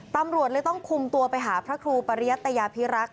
ตำรวจเลยต้องคุมตัวไปหาพระครูปริยัตยาพิรักษ